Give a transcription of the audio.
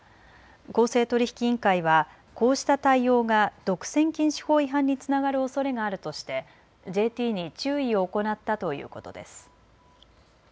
公正取引委員会はこうした対応が独占禁止法違反につながるおそれがあるとしてＪＴに注意を行ったということです。